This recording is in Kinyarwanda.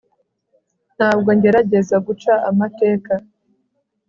ntabwo ngerageza guca amateka